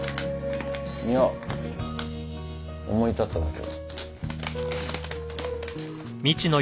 いや思い立っただけ。